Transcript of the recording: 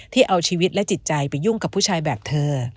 ที่เอาชีวิตและจิตใจไปยุ่งกับผู้ชายแบบเธอ